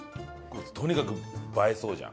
とにかく映えそうじゃん。